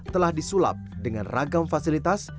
telah disulap dengan ragam fasilitas